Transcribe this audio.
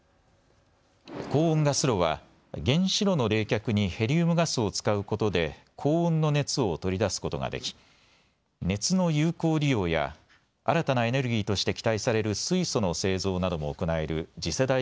高温ガス炉は原子炉の冷却にヘリウムガスを使うことで高温の熱を取り出すことができ熱の有効利用や新たなエネルギーとして期待される水素の製造なども行える次世代